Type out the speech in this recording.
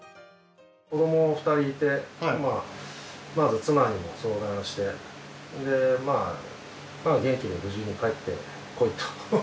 子ども２人いてまず妻にも相談して元気で無事に帰ってこいと。